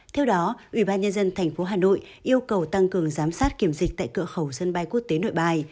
theo đó ubnd tp hà nội yêu cầu tăng cường giám sát kiểm dịch tại cửa khẩu sân bay quốc tế nội bài